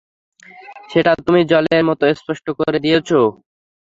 সেটা তুমি জলের মতো স্পষ্ট করে দিয়েছো।